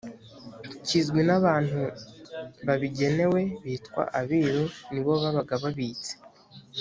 kizwi n abantu babigenewe bitwa abiru ni bo babaga babitse